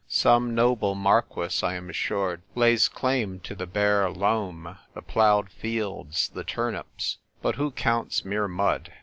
Some noble marquis, I am assured, lays claim to the bare loam, the ploughed fields, the turnips; but who counts mere mud?